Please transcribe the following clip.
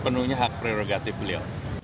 penuhnya hak prirogatif beliau